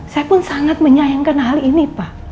saya pun sangat menyayangkan hal ini pak